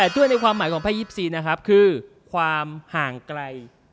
ถ้วยในความหมายของไพ่๒๔นะครับคือความห่างไกล